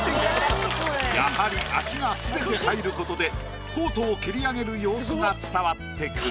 やはり足がすべて入ることでコートを蹴り上げる様子が伝わってくる。